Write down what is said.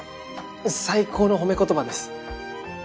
最高の褒め言葉です。